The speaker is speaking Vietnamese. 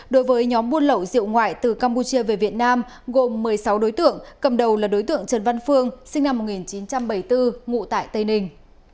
đối với nhóm buôn lậu rượu ngoại từ campuchia về việt nam gồm một mươi sáu đối tượng cầm đầu là đối tượng trần văn phương sinh năm một nghìn chín trăm bảy mươi bốn ngụ tại tây ninh